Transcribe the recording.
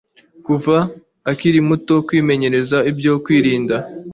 kuva akiri muto kwimenyereza ibyo kwirinda